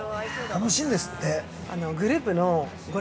楽しいんですって。